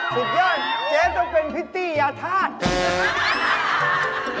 เจ๊ต้องเป็นพิษตียาธาติ